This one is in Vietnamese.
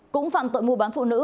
cũng phạm tội mua bán phụ nữ